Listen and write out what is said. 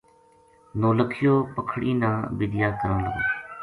نولکھیو پکھنی نا بِدیا کرن لگو